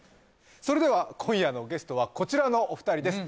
それでは今夜のゲストはこちらのお二人です